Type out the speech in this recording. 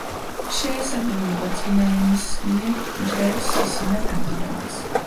შეესაბამება წინაენისმიერ მჟღერ სისინა თანხმოვანს.